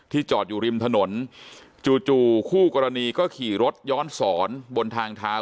จอดอยู่ริมถนนจู่คู่กรณีก็ขี่รถย้อนสอนบนทางเท้า